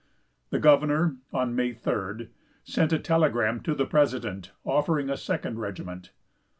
The governor, on May 3d, sent a telegram to the president, offering a second regiment.